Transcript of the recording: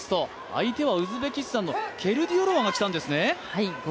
相手はウズベキスタンのケルディヨロワが来たんですね。